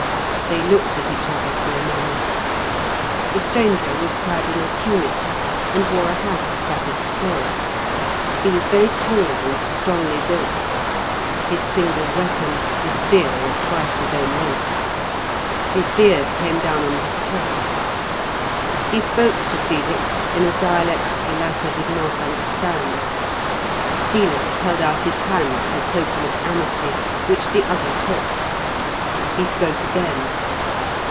They looked at each other for a moment. The stranger was clad in a tunic, and wore a hat of plaited straw. He was very tall and strongly built; his single weapon, a spear of twice his own length. His beard came down on his chest. He spoke to Felix in a dialect the latter did not understand. Felix held out his hand as a token of amity, which the other took. He spoke again.